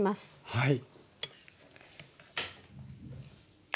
はい。